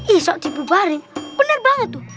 ih saat dibubaring bener banget tuh